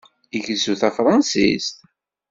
Igezzu tafṛensist?